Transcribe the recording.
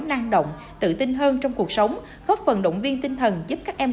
năng động tự tin hơn trong cuộc sống góp phần động viên tinh thần giúp các em